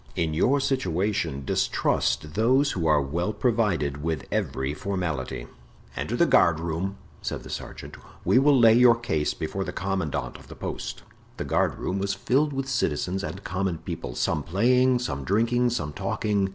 In your situation distrust those who are well provided with every formality." "Enter the guardroom," said the sergeant; "we will lay your case before the commandant of the post." The guardroom was filled with citizens and common people, some playing, some drinking, some talking.